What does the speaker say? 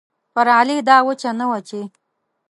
پر علي دا وچه نه وه چې